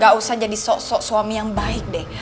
gausah jadi sok sok suami yang baik deh